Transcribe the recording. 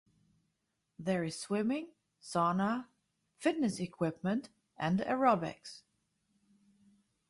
There is swimming, sauna, fitness equipment and aerobics.